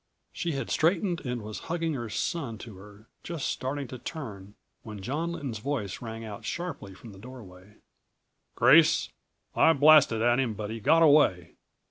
She had straightened and was hugging her son to her, just starting to turn, when John Lynton's voice rang out sharply from the doorway. "Grace! I blasted at him but he got away!